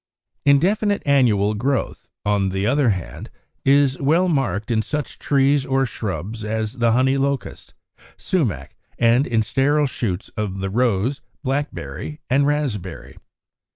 62. =Indefinite annual Growth=, on the other hand, is well marked in such trees or shrubs as the Honey Locust, Sumac, and in sterile shoots of the Rose, Blackberry, and Raspberry.